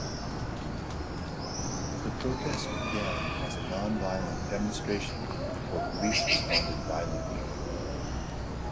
The protest began as a non-violent demonstration before police responded violently.